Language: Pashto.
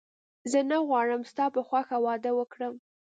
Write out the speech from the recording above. زه نه غواړم ستا په خوښه واده وکړم